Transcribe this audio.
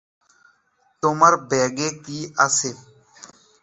তোমার ব্যাগে কি আছে?